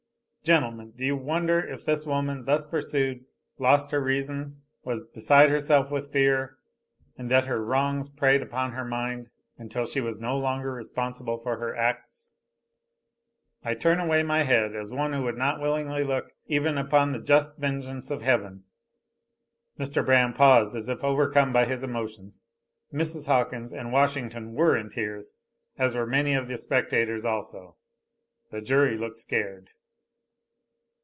Gentlemen, do you wonder if this woman, thus pursued, lost her reason, was beside herself with fear, and that her wrongs preyed upon her mind until she was no longer responsible for her acts? I turn away my head as one who would not willingly look even upon the just vengeance of Heaven. (Mr. Braham paused as if overcome by his emotions. Mrs. Hawkins and Washington were in tears, as were many of the spectators also. The jury looked scared.)